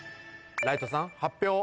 ライトさん発表